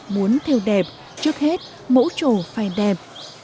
muốn theo đẹp trước hết mẫu trổ phải đẹp